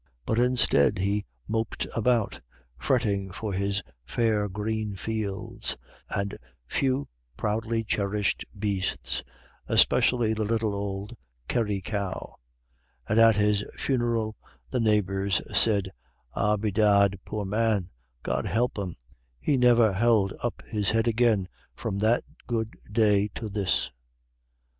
But instead he moped about, fretting for his fair green fields, and few proudly cherished beasts, especially the little old Kerry cow. And at his funeral the neighbors said, "Ah, bedad, poor man, God help him, he niver held up his head agin from that good day to this."